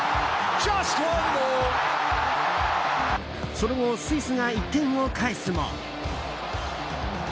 その後、スイスが１点を返すも。